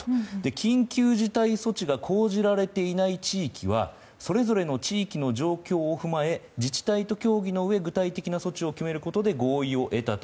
緊急事態措置が講じられていない地域はそれぞれの地域の状況を踏まえ自治体と協議のうえ具体的な措置を決めることで合意を得たと。